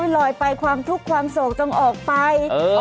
ลอยไปความทุกข์ความโศกจงออกไป